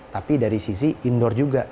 tapi dari sisi indoor juga